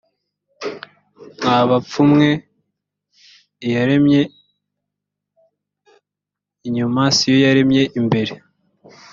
mwa bapfu mwe iyaremye inyuma si yo yaremye imbere.